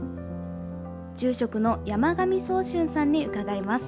住職の山上宗俊さんに伺います。